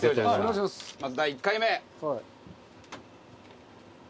まず第１回目」